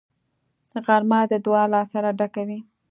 غرمه د دعا له اثره ډکه وي